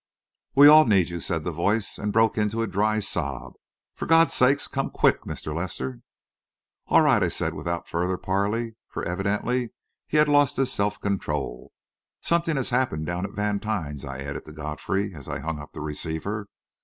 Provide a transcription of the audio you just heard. "We all need you!" said the voice, and broke into a dry sob. "For God's sake, come quick, Mr. Lester!" "All right," I said without further parley, for evidently he had lost his self control. "Something has happened down at Vantine's," I added to Godfrey, as I hung up the receiver.